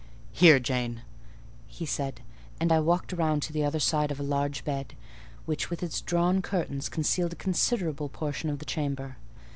"Here, Jane!" he said; and I walked round to the other side of a large bed, which with its drawn curtains concealed a considerable portion of the chamber.